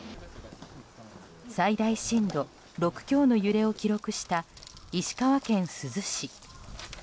最大震度６強の揺れを記録した石川県珠洲市。